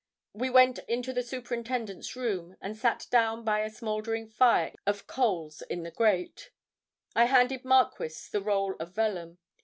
We went into the superintendent's room, and sat down by a smoldering fire of coals in the gate. I handed Marquis the roll of vellum.